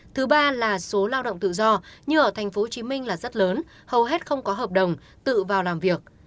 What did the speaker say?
thứ ba là số lao động tự do như ở tp hcm là rất lớn hầu hết không có hợp đồng tự vào làm việc